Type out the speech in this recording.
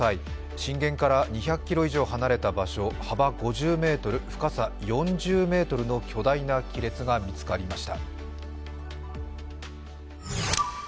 震源から２００ｋｍ以上離れた場所、幅５０ｍ、深さ４０ｍの巨大な亀裂が見つかりました。